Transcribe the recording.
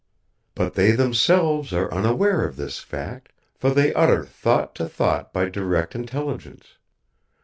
_' "But they themselves are unaware of this fact, for they utter thought to thought by direct intelligence.